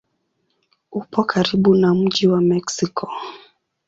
Upo karibu na mji wa Meksiko.